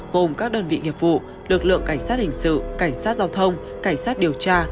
gồm các đơn vị nghiệp vụ lực lượng cảnh sát hình sự cảnh sát giao thông cảnh sát điều tra